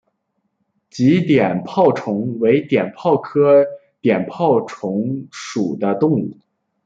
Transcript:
鲫碘泡虫为碘泡科碘泡虫属的动物。